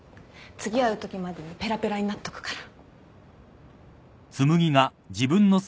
次会うときまでにペラペラになっとくから。